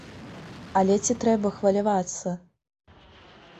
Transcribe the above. Але ці трэба хвалявацца?